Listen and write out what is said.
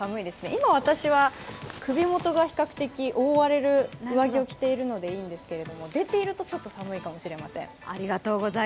今私は、首元が比較的覆われる上着を着ているのでいいんですけれども出ていると、ちょっと寒いかもしれません。